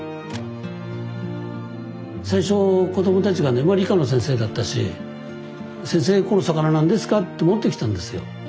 最初子どもたちがねまあ理科の先生だったし「先生この魚何ですか？」って持ってきたんですよ。